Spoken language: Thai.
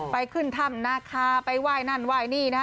ไปขึ้นถ้ำนาคาไปไหว้นั่นไหว้นี่นะฮะ